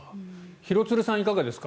廣津留さんはいかがですか？